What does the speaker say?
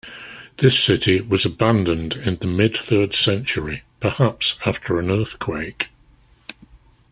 This city was abandoned in the mid-third century, perhaps after an earthquake.